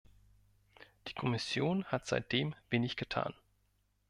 Die Kommission hat seitdem wenig getan.